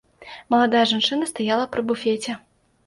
Маладая жанчына стаяла пры буфеце.